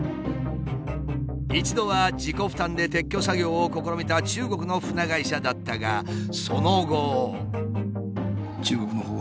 一度は自己負担で撤去作業を試みた中国の船会社だったがその後。